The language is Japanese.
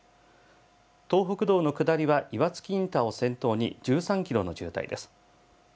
東北道の下りは岩槻インターを先頭に１３キロの渋滞です。